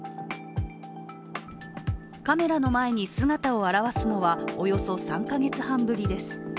カメラの前に姿を現すのは、およそ３か月半ぶりです。